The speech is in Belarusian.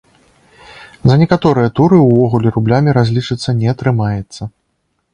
За некаторыя туры увогуле рублямі разлічыцца не атрымаецца.